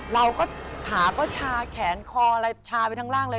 เราก็ขาก็ชาแขนคออะไรชาไปทั้งร่างเลย